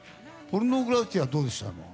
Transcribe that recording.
ポルノグラフィティはどうでした？